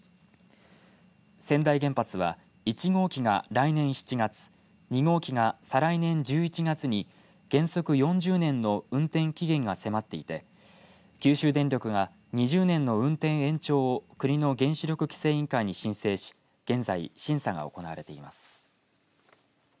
川内原発は１号機が来年７月２号機が再来年１１月に原則４０年の運転期限が迫っていて九州電力が２０年の運転延長を国の原子力規制委員会に申請し現在審査が行われています。